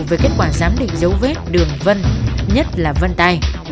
về kết quả giám định dấu vết đường vân nhất là vân tay